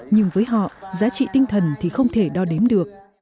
nhưng với họ giá trị tinh thần thì không thể đo đếm được